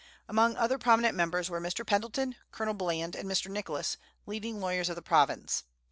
Among other prominent members were Mr. Pendleton, Colonel Bland, and Mr. Nicholas, leading lawyers of the province.